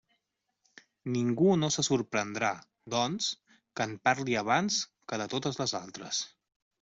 Ningú no se sorprendrà, doncs, que en parli abans que de totes les altres.